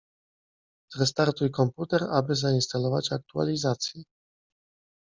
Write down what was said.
Zrestartuj komputer aby zainstalować aktualizację.